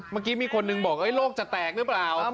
เมื่อกี้มีคนหนึ่งบอกโลกจะแตกหรือเปล่า